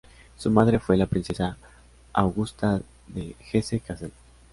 Su madre fue la Princesa Augusta de Hesse-Kassel.